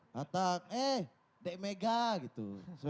datang eh dek mega gitu